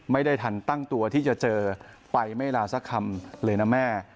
ไม่ทันตั้งตัวที่จะเจอไฟไม่ลาสักคำเลยนะแม่